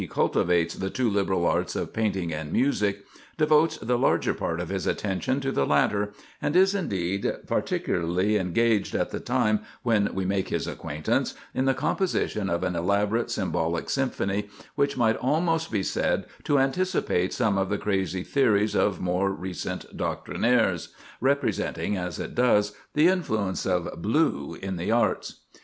First we have Alexandre Schaunard, who, though he cultivates "the two liberal arts of painting and music," devotes the larger part of his attention to the latter, and is indeed particularly engaged at the time when we make his acquaintance, in the composition of an elaborate symbolic symphony which might almost be said to anticipate some of the crazy theories of more recent doctrinaires, representing as it does "the influence of blue in the arts."